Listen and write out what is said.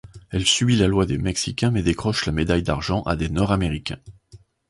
Elle subit la loi des Mexicains mais décroche la médaille d'argent à des Nord-américains.